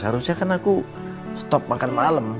harusnya kan aku stop makan malam